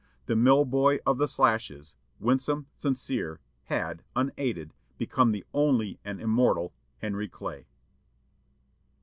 The "mill boy of the Slashes," winsome, sincere, had, unaided, become the only and immortal Henry Clay.